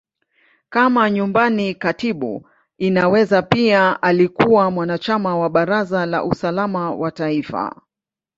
Kama Nyumbani Katibu, Inaweza pia alikuwa mwanachama wa Baraza la Usalama wa Taifa.